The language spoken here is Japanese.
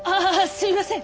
すいません！